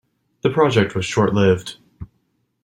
The project was short-lived.